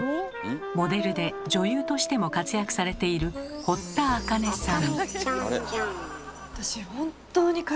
モデルで女優としても活躍されている堀田茜さん。